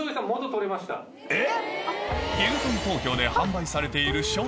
えっ！